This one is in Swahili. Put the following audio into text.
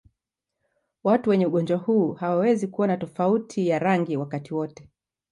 Watu wenye ugonjwa huu hawawezi kuona tofauti ya rangi wakati wote.